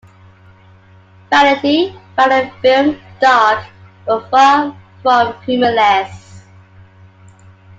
"Variety" found the film dark, but "far from humorless.